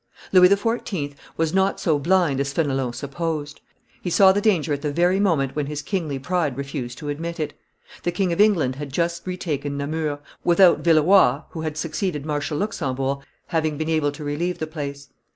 Louis XIV. was not so blind as Fenelon supposed; he saw the danger at the very moment when his kingly pride refused to admit it. The King of England had just retaken Namur, without Villeroi, who had succeeded Marshal Luxembourg, having been able to relieve the place.